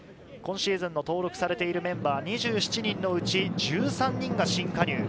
今シーズン登録されてるメンバー２７人のうち１３人が新加入。